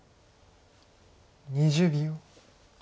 ２０秒。